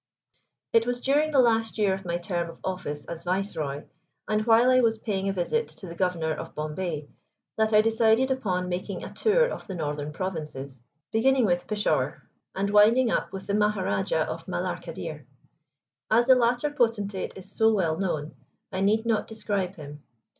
It was during the last year of my term of office as Viceroy, and while I was paying a visit to the Governor of Bombay, that I decided upon making a tour of the Northern Provinces, beginning with Peshawur, and winding up with the Maharajah of Malar Kadir. As the latter potentate is so well known, I need not describe him.